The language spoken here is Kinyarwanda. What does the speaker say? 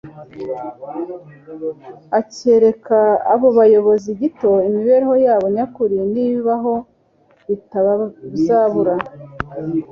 akereka abo bayobozi gito imibereho yabo nyakuri n'ibibaho bitazabura